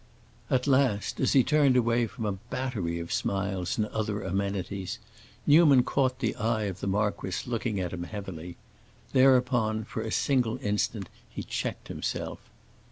At last, as he turned away from a battery of smiles and other amenities, Newman caught the eye of the marquis looking at him heavily; and thereupon, for a single instant, he checked himself.